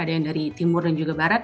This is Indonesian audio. ada yang dari timur dan juga barat